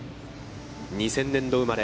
２０００年度生まれ。